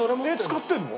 使ってるの？